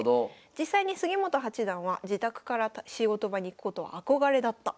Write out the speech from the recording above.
実際に杉本八段は「自宅から仕事場に行くことは憧れだった。